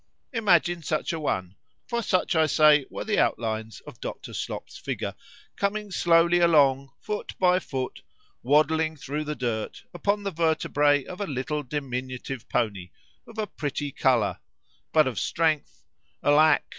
Imagine such a one,—for such, I say, were the outlines of Dr. Slop's figure, coming slowly along, foot by foot, waddling thro' the dirt upon the vertebræ of a little diminutive pony, of a pretty colour——but of strength,——alack!